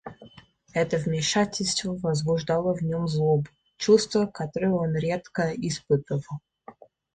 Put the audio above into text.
Это вмешательство возбуждало в нем злобу — чувство, которое он редко испытывал.